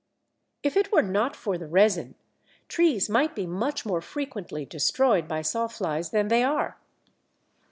If it were not for the resin, trees might be much more frequently destroyed by Sawflies than they are.